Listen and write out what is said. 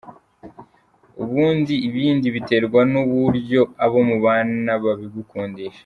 Ubundi ibindi biterwa n’uburyo abo mubana babigukundisha.